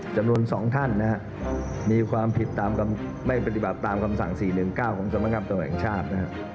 จำนวน๒ท่านมีความผิดไม่ปฏิบัติตามคำสั่ง๔๑๙ของสมกรรมตำรวจแห่งชาติ